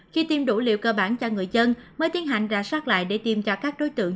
khi tiêm đủ liệu cơ bản cho người dân mới tiến hành ra sát lại để tiêm cho các đối tượng